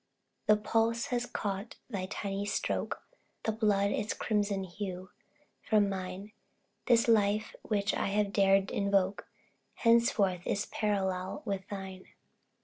The pulse first caught its tiny stroke, The blood its crimson hue, from mine This life, which I have dared invoke, Henceforth is parallel with thine.